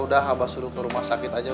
udah abah suruh ke rumah sakit aja